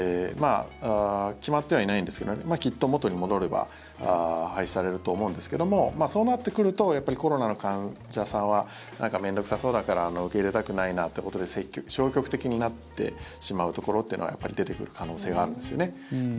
決まってはいないんですけどきっと元に戻れば廃止されると思うんですけどもそうなってくるとやっぱりコロナの患者さんはなんか面倒臭そうだから受け入れたくないなということで消極的になってしまうところっていうのはやっぱり出てくる可能性があるんですよね。